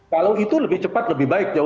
kalau itu lebih cepat lebih baik